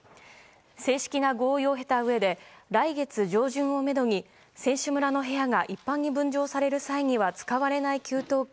正式な合意を経たうえで来月上旬をめどに選手村の部屋が一般に分譲される際には使われない給湯器